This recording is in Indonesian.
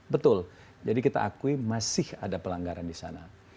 betul jadi kita akui masih ada pelanggaran di sana